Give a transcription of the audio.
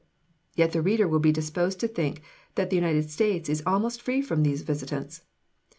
Yet the reader will be disposed to think that the United States is almost free from these visitants.